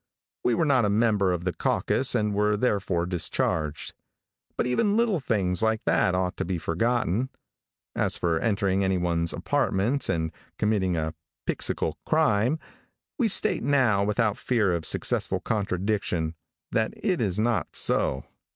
We were not a member of the caucus and were therefore discharged, but even little things like that ought to be forgotten. As for entering any one's apartments and committing a pixycal crime, we state now without fear of successful contradiction, that it is not so.